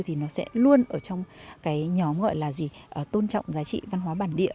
thì nó sẽ luôn ở trong cái nhóm gọi là gì tôn trọng giá trị văn hóa bản địa